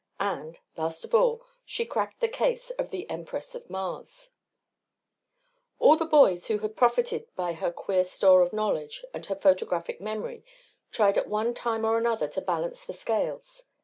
And, last of all, she cracked the case of the Empress of Mars. All the boys who had profited by her queer store of knowledge and her photographic memory tried at one time or another to balance the scales.